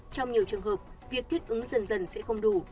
trong nhiều trường hợp việc thích ứng dần dần sẽ không đủ